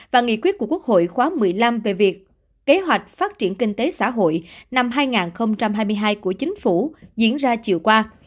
và nghị quyết của quốc hội khóa một mươi năm về việc kế hoạch phát triển kinh tế xã hội năm hai nghìn hai mươi hai của chính phủ diễn ra chiều qua